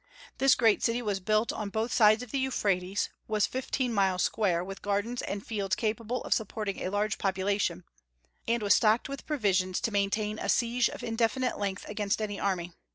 This great city was built on both sides of the Euphrates, was fifteen miles square, with gardens and fields capable of supporting a large population, and was stocked with provisions to maintain a siege of indefinite length against any enemy.